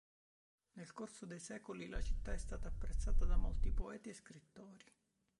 Nel corso dei secoli, la città è stata apprezzata da molti poeti e scrittori.